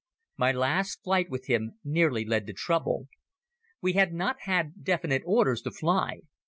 My last flight with him nearly led to trouble. We had not had definite orders to fly.